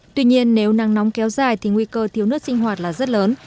tuy nhiên nếu nắng nóng kéo dài thì nguy cơ thiếu nước sinh hoạt là rất lớn